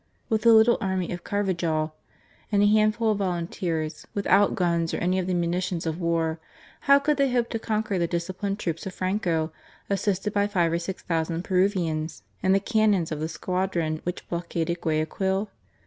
With the little army of Carvajal and a handful of volunteers, without guns or any of the munitions of war, how could they hope to conquer the disciplined troops of Franco, assisted by five or six thousand Peruvians and the cannons of the squadron which blockaded Guayaquil?